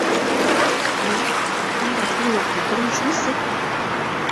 — Йә, унда, көньяҡта тормош нисек?